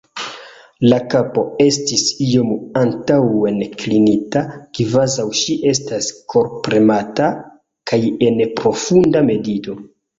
La kapo estis iom antaŭen klinita, kvazaŭ ŝi estas korpremata kaj en profunda medito.